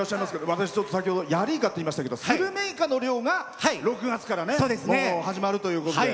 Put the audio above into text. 私、先ほどやりいかといいましたけどスルメイカの漁が６月から始まるということで。